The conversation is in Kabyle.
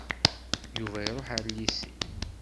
Yuba iruḥ ɣer llisi.